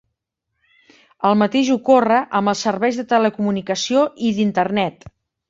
El mateix ocorre amb els serveis de telecomunicació i d'Internet.